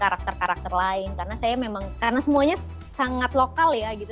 karakter karakter lain karena saya memang karena semuanya sangat lokal ya gitu